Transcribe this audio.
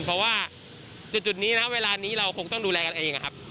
เพราะว่าจุดนี้นะเวลานี้เราคงต้องดูแลกันเองนะครับ